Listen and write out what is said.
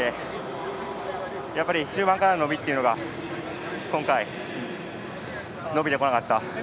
やっぱり中盤からの伸びというのが、今回伸びてこなかった。